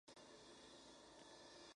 Universidad de California, Los Ángeles.